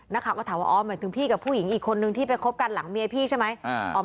นักข่าวก็ถามว่าอ๋อหมายถึงพี่กับผู้หญิงอีกคนนึงที่ไปคบกันหลังเมียพี่ใช่ไหม